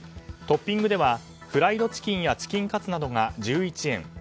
トッピングではフライドチキンやチキンカツなどが１１円